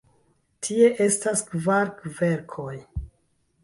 Tie estas kvar kverkoj.